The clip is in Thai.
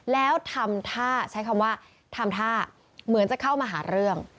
แล้วทำท่าใช้คำว่าทำท่าเหมือนจะเข้ามาหาเรื่อง